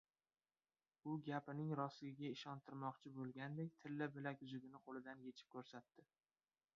— U gapining rostligiga ishontirmoqchi bo‘lgandek tilla bilaguzugini qo‘lidan yechib ko‘rsatdi.